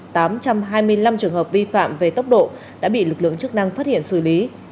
tám trăm hai mươi năm trường hợp vi phạm về tốc độ đã bị lực lượng chức năng phát hiện xử lý